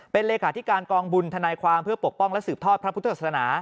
เป็นเลขาธิการกองบุญธนายความเพื่อปกป้องและสืบทอดพระพุทธศาสนา